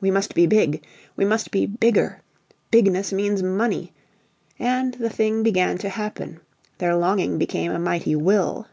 We must be Big! We must be Bigger! Bigness means Money! And the thing began to happen; their longing became a mighty Will.